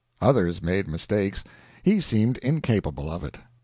Others made mistakes he seemed incapable of it.